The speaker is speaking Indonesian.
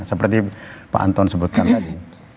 seperti pak anton sebutkan tadi